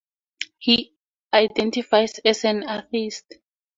He identifies as an atheist.